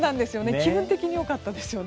気分的に良かったですよね。